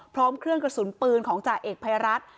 พร้อมเครื่องกระสุนปืนของจ่าเอกภัยรัฐ